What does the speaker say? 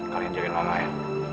kalian jagain mama ya